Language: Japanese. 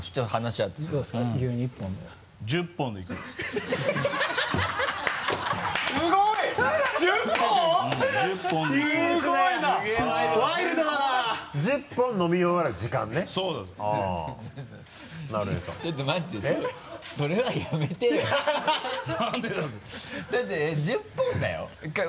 だって１０本だよ？